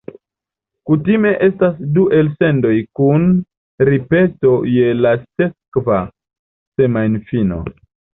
Kutime estas du elsendoj kun ripeto je la sekva semajnfino.